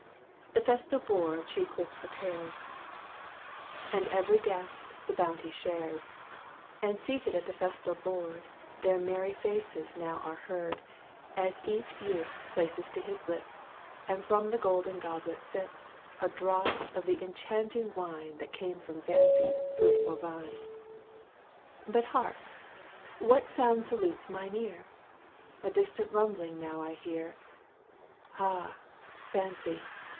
The festal board she quick prepares, And every guest the bounty shares, And seated at the festal board, Their merry voices now are heard, As each youth places to his lips, And from the golden goblet sips A draught of the enchanting wine That came from Fancy's fruitful vine. But hark! what sound salutes mine ear? A distant rumbling now I hear. Ah, Fancy!